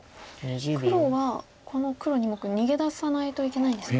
黒はこの黒２目逃げ出さないといけないんですか。